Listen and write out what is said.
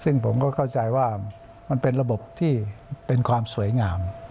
ซึ่งผมก็เข้าใจว่ามันเป็นระบบที่เป็นความสวยงาม